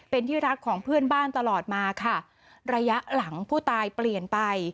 เป็นที่รักของเพื่อนบ้านตลอดมาค่ะระยะหลังผู้ตายเปลี่ยนไป